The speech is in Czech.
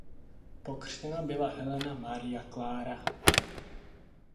Pokřtěna byla Helena Maria Klára.